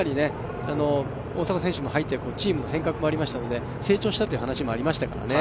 大迫選手も入ってチームの変革もありましたので成長したという話もありましたけどね。